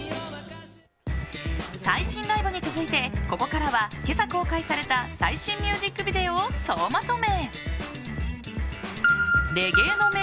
最新ライブに続いてここからは今朝公開された最新ミュージックビデオを総まとめ！